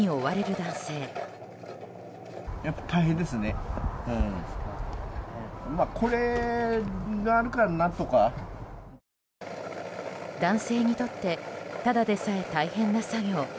男性にとってただでさえ大変な作業。